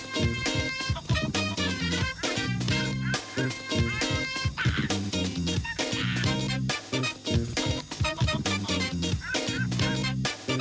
สวัสดีครับ